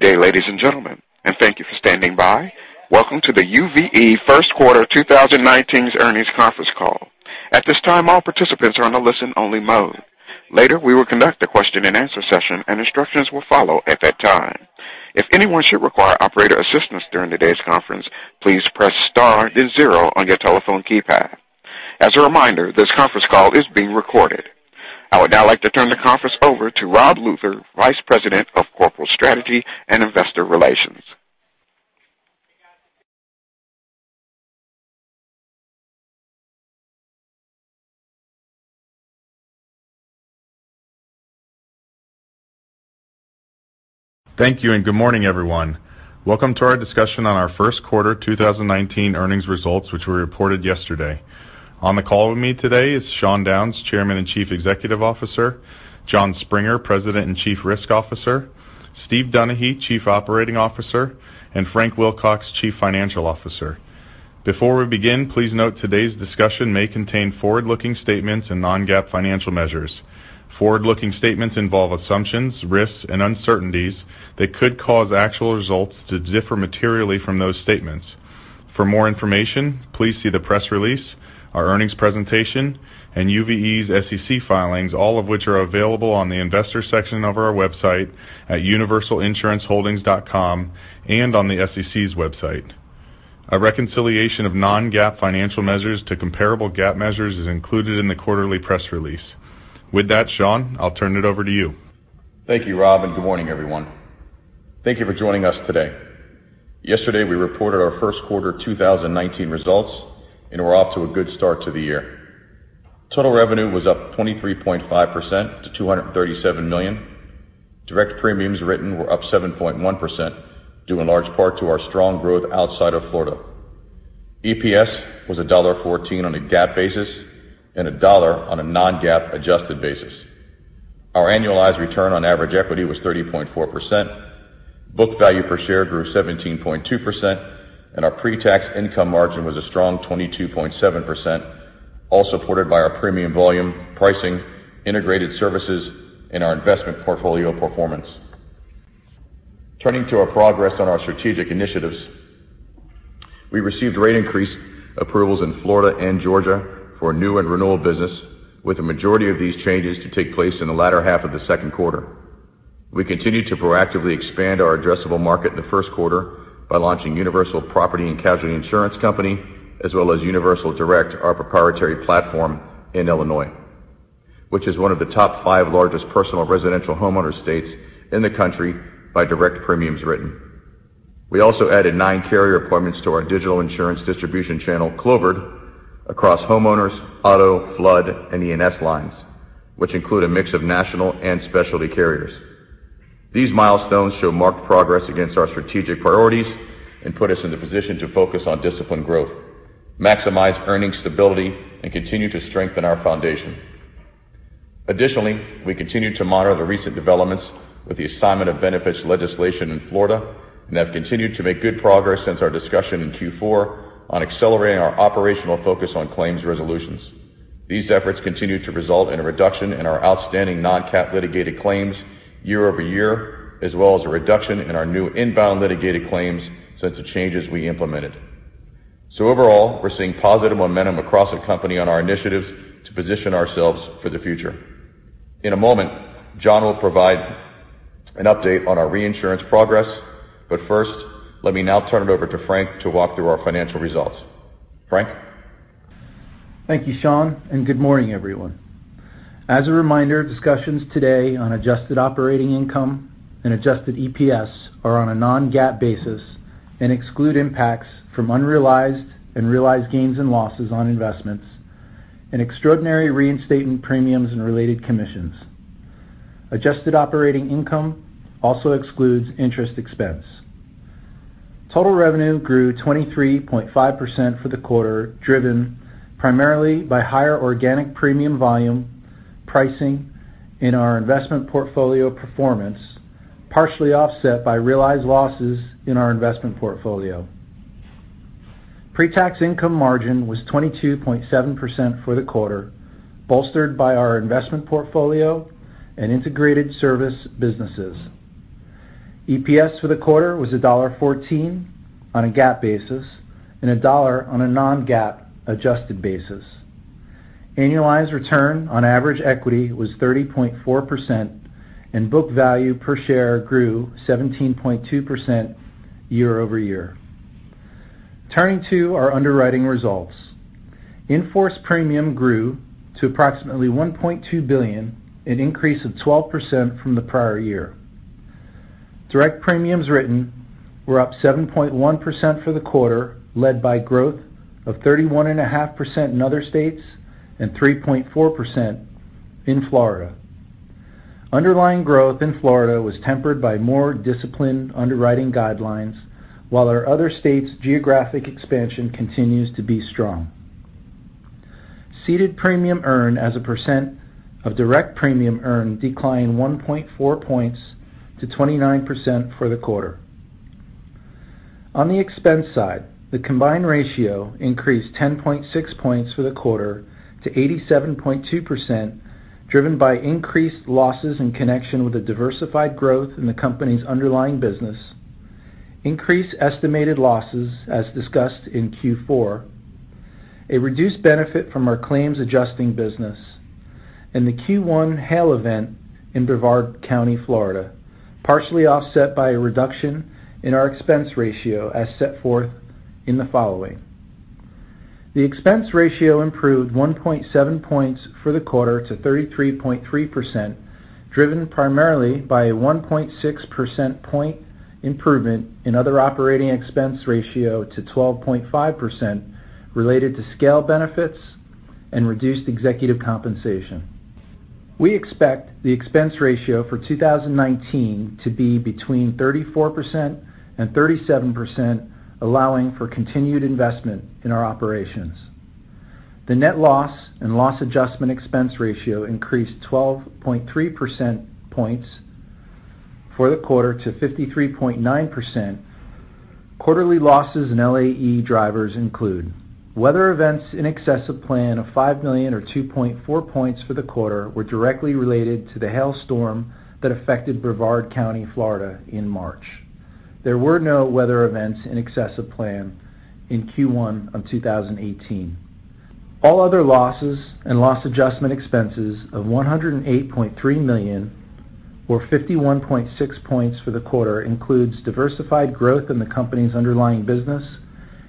Good day, ladies and gentlemen, and thank you for standing by. Welcome to the UVE first quarter 2019 earnings conference call. At this time, all participants are on a listen-only mode. Later, we will conduct a question-and-answer session, and instructions will follow at that time. If anyone should require operator assistance during today's conference, please press star then 0 on your telephone keypad. As a reminder, this conference call is being recorded. I would now like to turn the conference over to Rob Luther, Vice President of Corporate Strategy and Investor Relations. Thank you, and good morning, everyone. Welcome to our discussion on our first quarter 2019 earnings results, which were reported yesterday. On the call with me today is Sean Downes, Chairman and Chief Executive Officer, Jon Springer, President and Chief Risk Officer, Steve Donaghy, Chief Operating Officer, and Frank Wilcox, Chief Financial Officer. Before we begin, please note today's discussion may contain forward-looking statements and non-GAAP financial measures. Forward-looking statements involve assumptions, risks, and uncertainties that could cause actual results to differ materially from those statements. For more information, please see the press release, our earnings presentation, and UVE's SEC filings, all of which are available on the investor section of our website at universalinsuranceholdings.com and on the SEC's website. A reconciliation of non-GAAP financial measures to comparable GAAP measures is included in the quarterly press release. With that, Sean, I'll turn it over to you. Thank you, Rob, and good morning, everyone. Thank you for joining us today. Yesterday, we reported our first quarter 2019 results, and we're off to a good start to the year. Total revenue was up 23.5% to $237 million. Direct premiums written were up 7.1%, due in large part to our strong growth outside of Florida. EPS was $1.14 on a GAAP basis and $1 on a non-GAAP adjusted basis. Our annualized return on average equity was 30.4%. Book value per share grew 17.2%, and our pre-tax income margin was a strong 22.7%, all supported by our premium volume, pricing, integrated services, and our investment portfolio performance. Turning to our progress on our strategic initiatives. We received rate increase approvals in Florida and Georgia for new and renewal business, with the majority of these changes to take place in the latter half of the second quarter. We continued to proactively expand our addressable market in the first quarter by launching Universal Property and Casualty Insurance Company, as well as Universal Direct, our proprietary platform in Illinois, which is one of the top five largest personal residential homeowner states in the country by direct premiums written. We also added nine carrier appointments to our digital insurance distribution channel, Clovered, across homeowners, auto, flood, and E&S lines, which include a mix of national and specialty carriers. These milestones show marked progress against our strategic priorities and put us in the position to focus on disciplined growth, maximize earnings stability, and continue to strengthen our foundation. Additionally, we continue to monitor the recent developments with the assignment of benefits legislation in Florida and have continued to make good progress since our discussion in Q4 on accelerating our operational focus on claims resolutions. These efforts continue to result in a reduction in our outstanding non-cat litigated claims year-over-year, as well as a reduction in our new inbound litigated claims since the changes we implemented. Overall, we're seeing positive momentum across the company on our initiatives to position ourselves for the future. In a moment, Jon will provide an update on our reinsurance progress. First, let me now turn it over to Frank to walk through our financial results. Frank? Thank you, Sean, and good morning, everyone. As a reminder, discussions today on adjusted operating income and adjusted EPS are on a non-GAAP basis and exclude impacts from unrealized and realized gains and losses on investments and extraordinary reinstatement premiums and related commissions. Adjusted operating income also excludes interest expense. Total revenue grew 23.5% for the quarter, driven primarily by higher organic premium volume pricing in our investment portfolio performance, partially offset by realized losses in our investment portfolio. Pre-tax income margin was 22.7% for the quarter, bolstered by our investment portfolio and integrated service businesses. EPS for the quarter was $1.14 on a GAAP basis and $1 on a non-GAAP adjusted basis. Annualized return on average equity was 30.4%. Book value per share grew 17.2% year-over-year. Turning to our underwriting results. In-force premium grew to approximately $1.2 billion, an increase of 12% from the prior year. Direct premiums written were up 7.1% for the quarter, led by growth of 31.5% in other states and 3.4% in Florida. Underlying growth in Florida was tempered by more disciplined underwriting guidelines, while our other states' geographic expansion continues to be strong. Ceded premium earned as a percent of direct premium earned declined 1.4 points to 29% for the quarter. On the expense side, the combined ratio increased 10.6 points for the quarter to 87.2%, driven by increased losses in connection with the diversified growth in the company's underlying business, increased estimated losses as discussed in Q4, a reduced benefit from our claims adjusting business, and the Q1 hail event in Brevard County, Florida, partially offset by a reduction in our expense ratio as set forth in the following. The expense ratio improved 1.7 points for the quarter to 33.3%, driven primarily by a 1.6% point improvement in other operating expense ratio to 12.5%, related to scale benefits and reduced executive compensation. We expect the expense ratio for 2019 to be between 34% and 37%, allowing for continued investment in our operations. The net loss and loss adjustment expense ratio increased 12.3% points for the quarter to 53.9%. Quarterly losses in LAE drivers include weather events in excess of plan of $5 million or 2.4 points for the quarter were directly related to the hail storm that affected Brevard County, Florida in March. There were no weather events in excess of plan in Q1 of 2018. All other losses and loss adjustment expenses of $108.3 million or 51.6 points for the quarter includes diversified growth in the company's underlying business,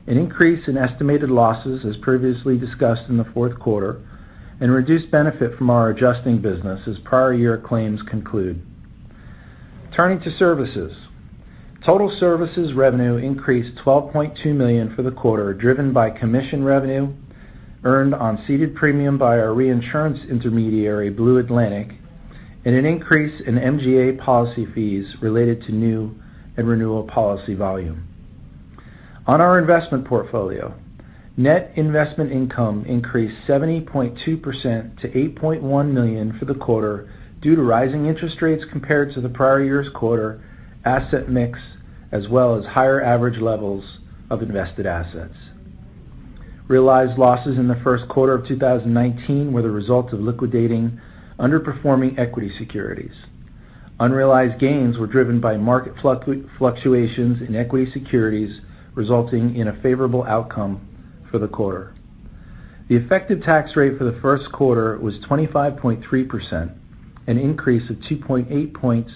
an increase in estimated losses as previously discussed in the fourth quarter, and reduced benefit from our adjusting business as prior year claims conclude. Turning to services. Total services revenue increased $12.2 million for the quarter, driven by commission revenue earned on ceded premium by our reinsurance intermediary, Blue Atlantic, and an increase in MGA policy fees related to new and renewal policy volume. On our investment portfolio, net investment income increased 70.2% to $8.1 million for the quarter due to rising interest rates compared to the prior year's quarter asset mix, as well as higher average levels of invested assets. Realized losses in the first quarter of 2019 were the result of liquidating underperforming equity securities. Unrealized gains were driven by market fluctuations in equity securities, resulting in a favorable outcome for the quarter. The effective tax rate for the first quarter was 25.3%, an increase of 2.8 points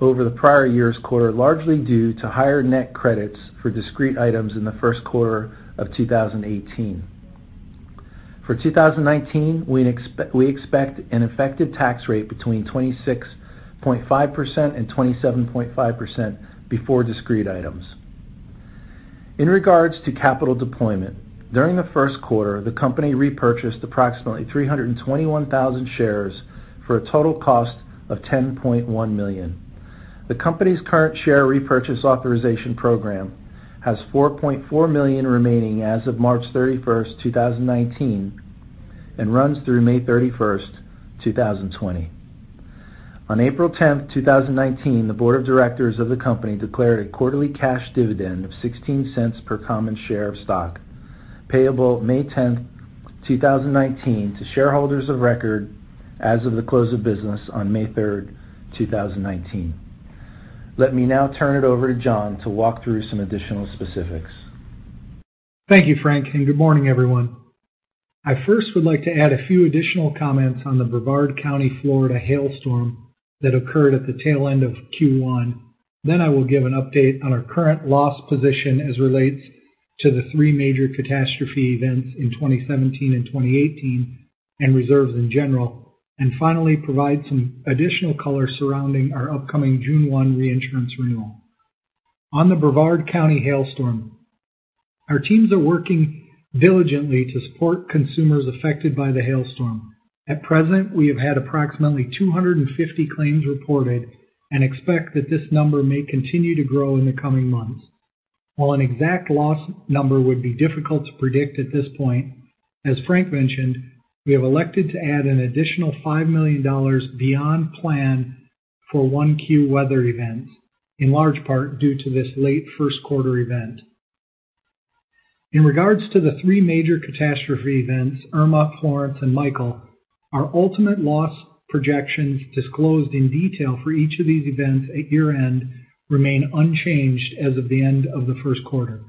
over the prior year's quarter, largely due to higher net credits for discrete items in the first quarter of 2018. For 2019, we expect an effective tax rate between 26.5% and 27.5% before discrete items. In regards to capital deployment, during the first quarter, the company repurchased approximately 321,000 shares for a total cost of $10.1 million. The company's current share repurchase authorization program has $4.4 million remaining as of March 31st, 2019, and runs through May 31st, 2020. On April 10th, 2019, the Board of Directors of the company declared a quarterly cash dividend of $0.16 per common share of stock, payable May 10th, 2019 to shareholders of record as of the close of business on May 3rd, 2019. Let me now turn it over to Jon to walk through some additional specifics. Thank you, Frank. Good morning, everyone. I first would like to add a few additional comments on the Brevard County, Florida hailstorm that occurred at the tail end of Q1. I will give an update on our current loss position as relates to the three major catastrophe events in 2017 and 2018 and reserves in general. Finally, provide some additional color surrounding our upcoming June 1 reinsurance renewal. On the Brevard County hailstorm, our teams are working diligently to support consumers affected by the hailstorm. At present, we have had approximately 250 claims reported and expect that this number may continue to grow in the coming months. While an exact loss number would be difficult to predict at this point, as Frank mentioned, we have elected to add an additional $5 million beyond plan for 1Q weather events, in large part due to this late first quarter event. In regards to the three major catastrophe events, Hurricane Irma, Hurricane Florence, and Hurricane Michael, our ultimate loss projections disclosed in detail for each of these events at year-end remain unchanged as of the end of the first quarter.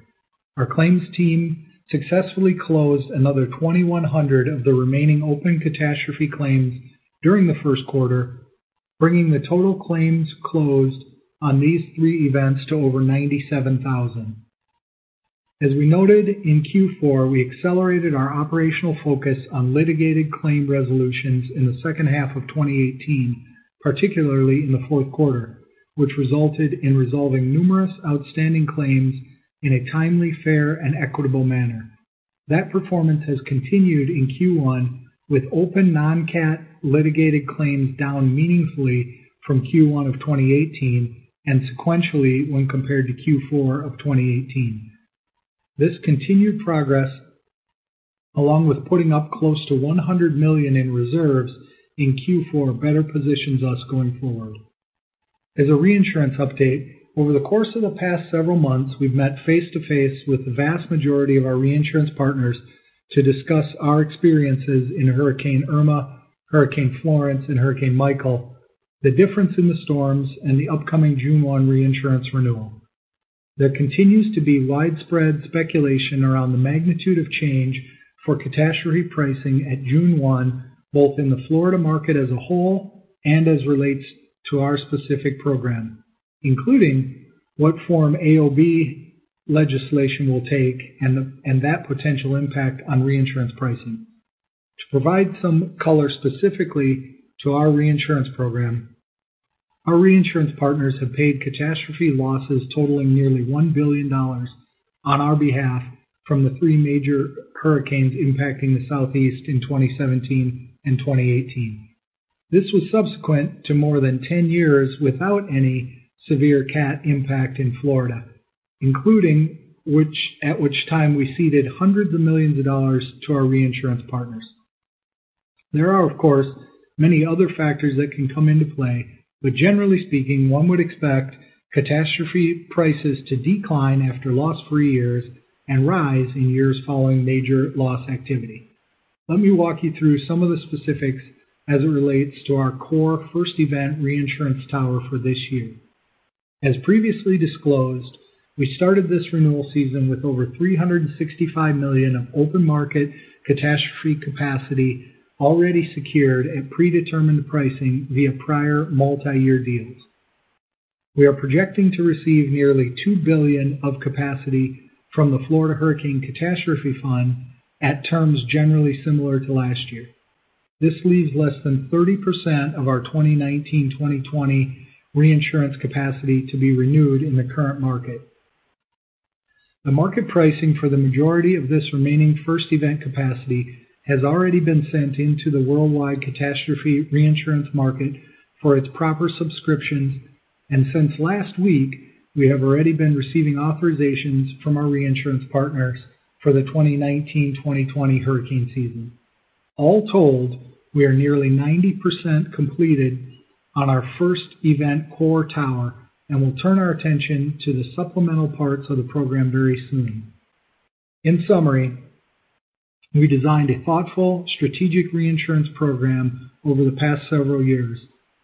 Our claims team successfully closed another 2,100 of the remaining open catastrophe claims during the first quarter, bringing the total claims closed on these three events to over 97,000. As we noted in Q4, we accelerated our operational focus on litigated claim resolutions in the second half of 2018, particularly in the fourth quarter, which resulted in resolving numerous outstanding claims in a timely, fair and equitable manner. That performance has continued in Q1 with open non-cat litigated claims down meaningfully from Q1 of 2018 and sequentially when compared to Q4 of 2018. This continued progress along with putting up close to $100 million in reserves in Q4 better positions us going forward. As a reinsurance update, over the course of the past several months, we've met face-to-face with the vast majority of our reinsurance partners to discuss our experiences in Hurricane Irma, Hurricane Florence, and Hurricane Michael, the difference in the storms, and the upcoming June 1 reinsurance renewal. There continues to be widespread speculation around the magnitude of change for catastrophe pricing at June 1, both in the Florida market as a whole and as relates to our specific program, including what form AOB legislation will take and that potential impact on reinsurance pricing. To provide some color specifically to our reinsurance program, our reinsurance partners have paid catastrophe losses totaling nearly $1 billion on our behalf from the three major hurricanes impacting the Southeast in 2017 and 2018. This was subsequent to more than 10 years without any severe cat impact in Florida, including at which time we ceded hundreds of millions of dollars to our reinsurance partners. There are, of course, many other factors that can come into play, but generally speaking, one would expect catastrophe prices to decline after loss-free years and rise in years following major loss activity. Let me walk you through some of the specifics as it relates to our core first event reinsurance tower for this year. As previously disclosed, we started this renewal season with over $365 million of open market catastrophe capacity already secured at predetermined pricing via prior multi-year deals. We are projecting to receive nearly $2 billion of capacity from the Florida Hurricane Catastrophe Fund at terms generally similar to last year. This leaves less than 30% of our 2019-2020 reinsurance capacity to be renewed in the current market. The market pricing for the majority of this remaining first event capacity has already been sent into the worldwide catastrophe reinsurance market for its proper subscriptions, and since last week, we have already been receiving authorizations from our reinsurance partners for the 2019-2020 hurricane season. All told, we are nearly 90% completed on our first event core tower, and will turn our attention to the supplemental parts of the program very soon. In summary, we designed a thoughtful, strategic reinsurance program over the past several years,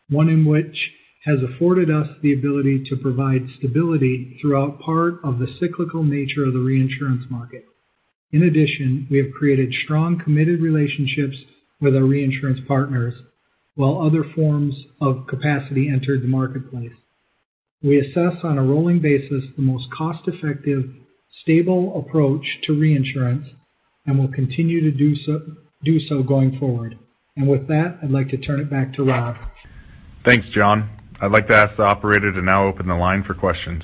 one in which has afforded us the ability to provide stability throughout part of the cyclical nature of the reinsurance market. In addition, we have created strong, committed relationships with our reinsurance partners while other forms of capacity entered the marketplace. We assess on a rolling basis the most cost-effective, stable approach to reinsurance and will continue to do so going forward. With that, I'd like to turn it back to Rob. Thanks, Jon. I'd like to ask the operator to now open the line for questions.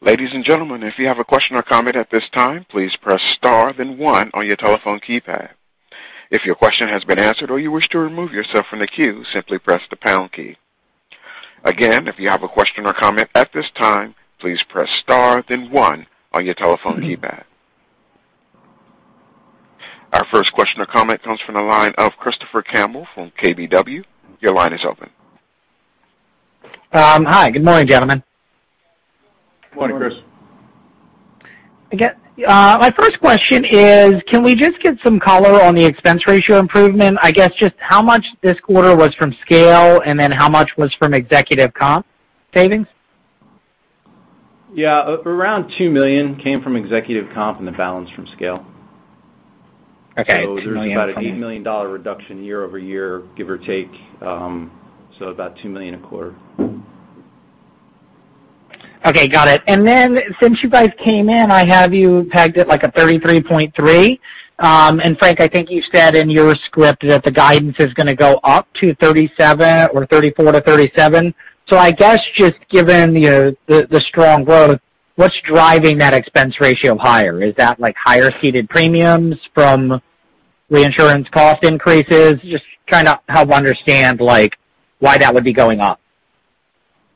Ladies and gentlemen, if you have a question or comment at this time, please press star then one on your telephone keypad. If your question has been answered or you wish to remove yourself from the queue, simply press the pound key. Again, if you have a question or comment at this time, please press star then one on your telephone keypad. Our first question or comment comes from the line of Christopher Campbell from KBW. Your line is open. Hi. Good morning, gentlemen. Good morning. Good morning. My first question is, can we just get some color on the expense ratio improvement? I guess just how much this quarter was from scale, and then how much was from executive comp savings? Yeah. Around $2 million came from executive comp and the balance from scale. Okay, $2 million from- There's about an $8 million reduction year-over-year, give or take, so about $2 million a quarter. Okay, got it. Since you guys came in, I have you pegged at like a 33.3%. Frank, I think you said in your script that the guidance is going to go up to 37% or 34%-37%. I guess just given the strong growth, what's driving that expense ratio higher? Is that higher ceded premiums from reinsurance cost increases? Just trying to help understand why that would be going up.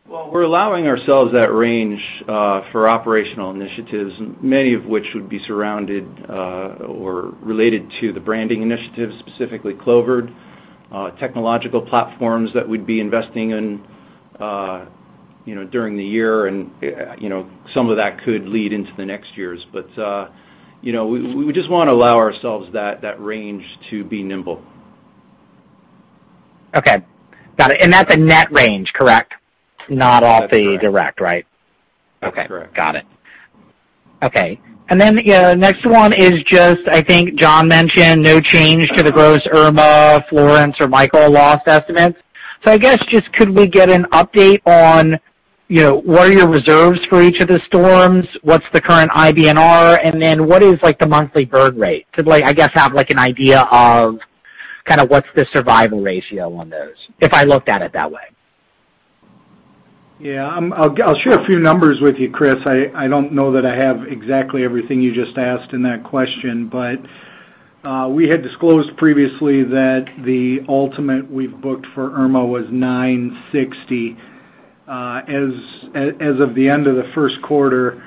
Well, we're allowing ourselves that range for operational initiatives, many of which would be surrounded or related to the branding initiatives, specifically Clovered, technological platforms that we'd be investing in during the year, and some of that could lead into the next years. We just want to allow ourselves that range to be nimble. Okay. Got it. That's a net range, correct? Not off the direct, right? That's correct. Okay. Got it. Okay. Next one is just, I think Jon mentioned no change to the gross Irma, Florence, or Michael loss estimates. I guess just could we get an update on what are your reserves for each of the storms? What's the current IBNR, and then what is the monthly burn rate? To I guess have an idea of kind of what's the survival ratio on those, if I looked at it that way. Yeah. I'll share a few numbers with you, Chris. I don't know that I have exactly everything you just asked in that question. We had disclosed previously that the ultimate we've booked for Irma was $960 million. As of the end of the first quarter,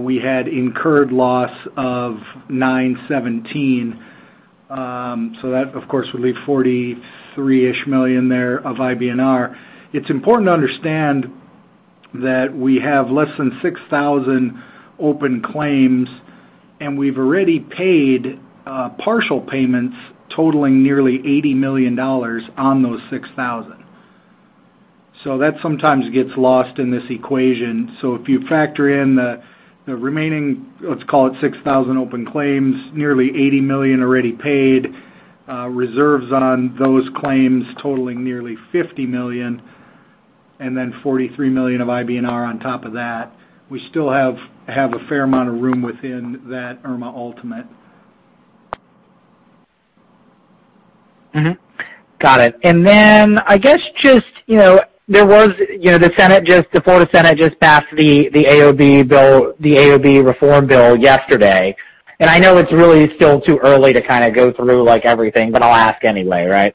we had incurred loss of $917 million. That, of course, would leave $43 million there of IBNR. It's important to understand that we have less than 6,000 open claims, and we've already paid partial payments totaling nearly $80 million on those 6,000. That sometimes gets lost in this equation. If you factor in the remaining, let's call it 6,000 open claims, nearly $80 million already paid, reserves on those claims totaling nearly $50 million, and then $43 million of IBNR on top of that, we still have a fair amount of room within that Irma ultimate. Got it. The Florida Senate just passed the AOB reform bill yesterday. I know it's really still too early to go through everything, but I'll ask anyway, right?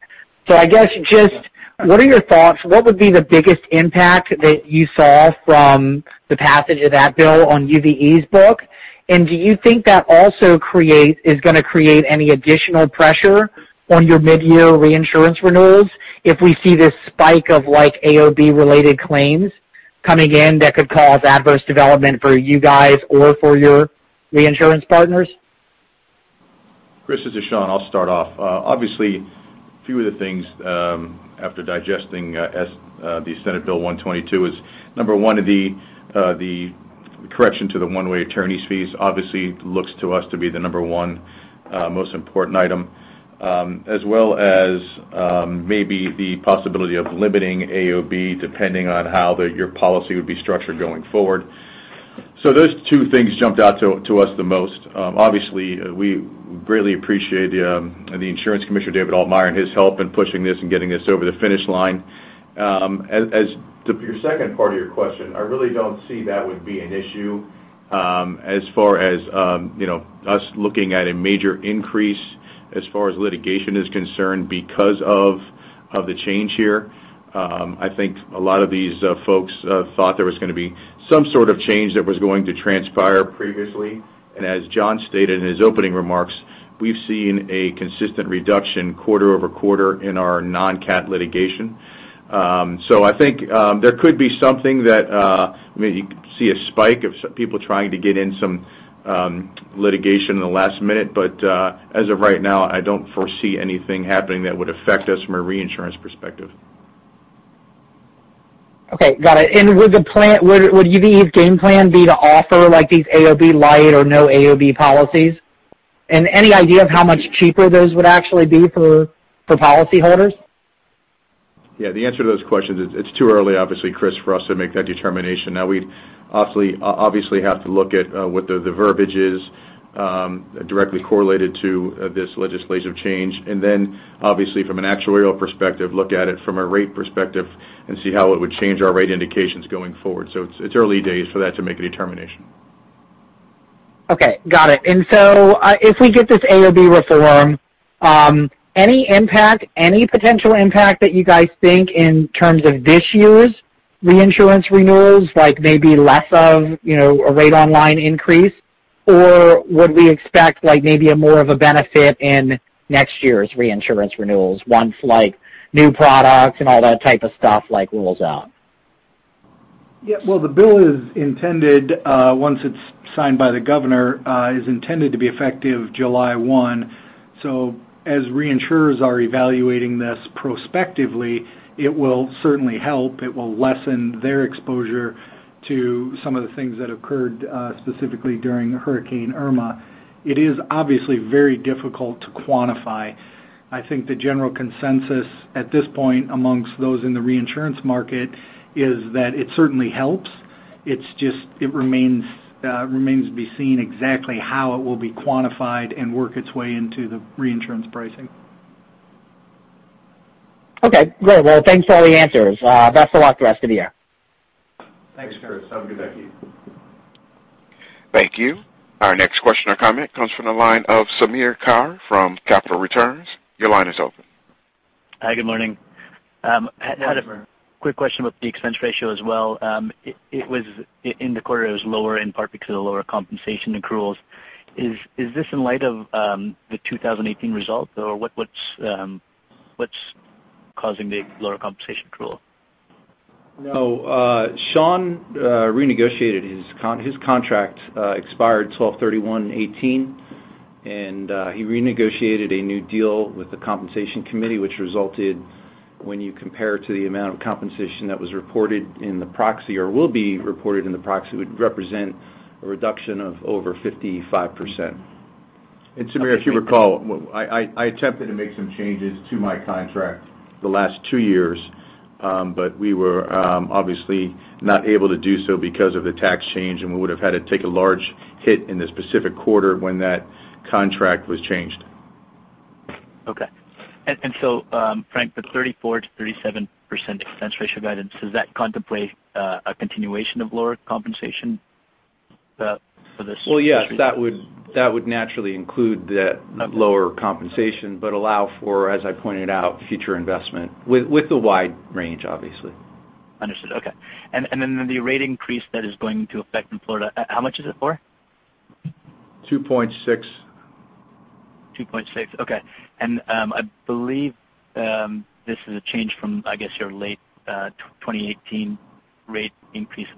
What are your thoughts? What would be the biggest impact that you saw from the passage of that bill on UVE's book? Do you think that also is going to create any additional pressure on your mid-year reinsurance renewals if we see this spike of AOB related claims coming in that could cause adverse development for you guys or for your reinsurance partners? Chris, it's Sean. I'll start off. A few of the things after digesting Senate Bill 122 is number one, the correction to the one-way attorney's fees looks to us to be the number one most important item, as well as maybe the possibility of limiting AOB depending on how your policy would be structured going forward. Those two things jumped out to us the most. We really appreciate the Insurance Commissioner, David Altmaier, and his help in pushing this and getting this over the finish line. As to your second part of your question, I really don't see that would be an issue as far as us looking at a major increase as far as litigation is concerned because of the change here. I think a lot of these folks thought there was going to be some sort of change that was going to transpire previously, and as Jon stated in his opening remarks, we've seen a consistent reduction quarter-over-quarter in our non-cat litigation. I think there could be something that may see a spike of people trying to get in some litigation in the last minute, but as of right now, I don't foresee anything happening that would affect us from a reinsurance perspective. Okay. Got it. Would UVE's game plan be to offer these AOB light or no AOB policies? Any idea of how much cheaper those would actually be for policyholders? Yeah, the answer to those questions is it's too early, obviously, Chris, for us to make that determination. We'd obviously have to look at what the verbiage is directly correlated to this legislative change, and then obviously from an actuarial perspective, look at it from a rate perspective and see how it would change our rate indications going forward. It's early days for that to make a determination. Okay. Got it. If we get this AOB reform, any potential impact that you guys think in terms of this year's reinsurance renewals, like maybe less of a rate online increase? Would we expect maybe a more of a benefit in next year's reinsurance renewals once new products and all that type of stuff rolls out? Yeah. Well, the bill, once it's signed by the governor, is intended to be effective July 1. As reinsurers are evaluating this prospectively, it will certainly help. It will lessen their exposure to some of the things that occurred specifically during Hurricane Irma. It is obviously very difficult to quantify. I think the general consensus at this point amongst those in the reinsurance market is that it certainly helps. It remains to be seen exactly how it will be quantified and work its way into the reinsurance pricing. Okay, great. Well, thanks for all the answers. Best of luck the rest of the year. Thanks, Chris. Have a good day. Thanks, Chris. Thank you. Our next question or comment comes from the line of Samir Khare from Capital Returns. Your line is open. Hi, good morning. Had a quick question about the expense ratio as well. In the quarter, it was lower in part because of the lower compensation accruals. Is this in light of the 2018 results, or what's causing the lower compensation accrual? No. Sean renegotiated his contract, expired 12/31/2018. He renegotiated a new deal with the compensation committee, which resulted when you compare to the amount of compensation that was reported in the proxy or will be reported in the proxy, would represent a reduction of over 55%. Samir, if you recall, I attempted to make some changes to my contract the last two years. We were obviously not able to do so because of the tax change. We would have had to take a large hit in the specific quarter when that contract was changed. Okay. Frank, the 34%-37% expense ratio guidance, does that contemplate a continuation of lower compensation? Well, yes, that would naturally include that lower compensation, but allow for, as I pointed out, future investment with the wide range, obviously. Understood. Okay. The rate increase that is going to affect in Florida, how much is it for? 2.6. 2.6, okay. I believe this is a change from, I guess, your late 2018 rate increase of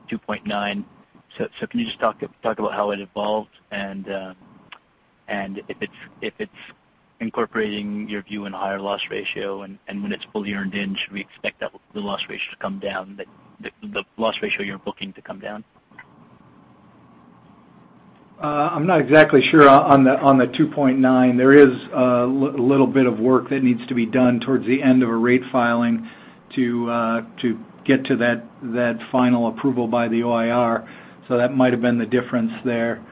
2.9. Can you just talk about how it evolved and if it's incorporating your view in higher loss ratio and when it's fully earned in, should we expect that the loss ratio you're booking to come down? I'm not exactly sure on the 2.9. There is a little bit of work that needs to be done towards the end of a rate filing to get to that final approval by the OIR. That might have been the difference there.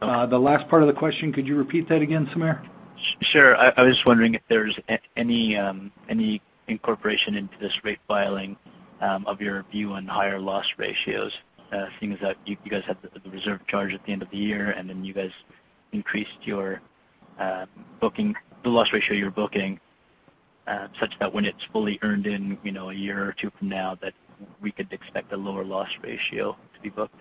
The last part of the question, could you repeat that again, Samir? Sure. I was just wondering if there's any incorporation into this rate filing of your view on higher loss ratios, seeing as that you guys had the reserve charge at the end of the year, and then you guys increased the loss ratio you're booking such that when it's fully earned in a year or two from now, that we could expect a lower loss ratio to be booked.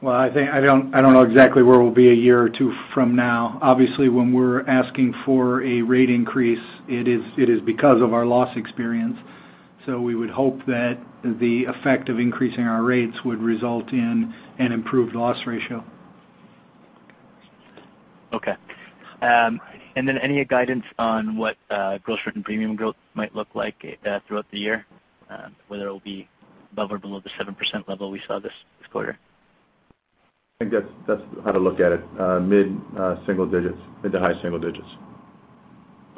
Well, I don't know exactly where we'll be a year or two from now. Obviously, when we're asking for a rate increase, it is because of our loss experience. We would hope that the effect of increasing our rates would result in an improved loss ratio. Okay. Any guidance on what gross written premium growth might look like throughout the year, whether it'll be above or below the 7% level we saw this quarter? I think that's how to look at it, mid single digits into high single digits.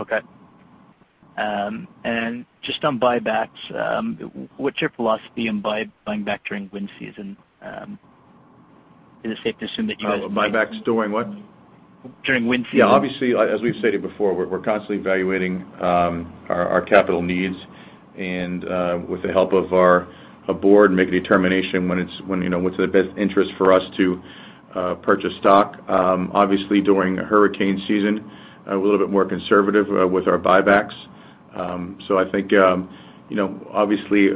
Okay. Just on buybacks, what's your philosophy on buying back during wind season? Is it safe to assume that you guys- Buybacks during what? During wind season. Yeah. Obviously, as we've stated before, we're constantly evaluating our capital needs and with the help of our board, make a determination when it's in the best interest for us to purchase stock. Obviously, during hurricane season, a little bit more conservative with our buybacks. I think obviously,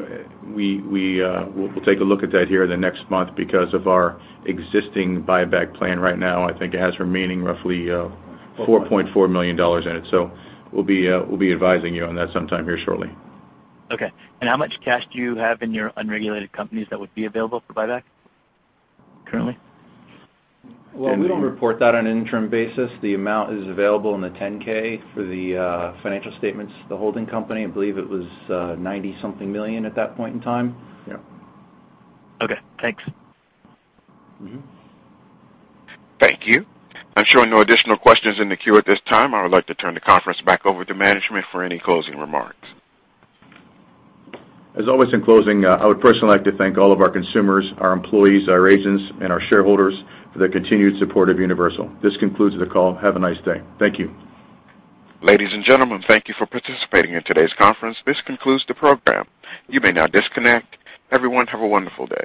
we'll take a look at that here in the next month because of our existing buyback plan right now, I think it has remaining roughly $4.4 million in it. We'll be advising you on that sometime here shortly. Okay. How much cash do you have in your unregulated companies that would be available for buyback currently? Well, we don't report that on an interim basis. The amount is available in the 10-K for the financial statements, the holding company, I believe it was 90 something million at that point in time. Yeah. Okay, thanks. Thank you. I'm showing no additional questions in the queue at this time. I would like to turn the conference back over to management for any closing remarks. As always, in closing, I would personally like to thank all of our consumers, our employees, our agents, and our shareholders for their continued support of Universal. This concludes the call. Have a nice day. Thank you. Ladies and gentlemen, thank you for participating in today's conference. This concludes the program. You may now disconnect. Everyone, have a wonderful day.